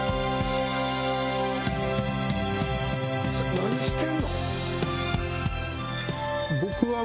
何してんの？